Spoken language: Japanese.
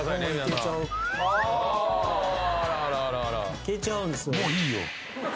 いけちゃうんすよ。